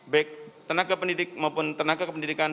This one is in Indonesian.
baik tenaga pendidik maupun tenaga kependidikan